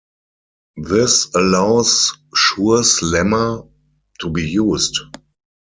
This allows Schur's lemma to be used.